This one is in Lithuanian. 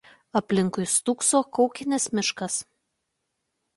Aplinkui stūkso Kaukinės miškas.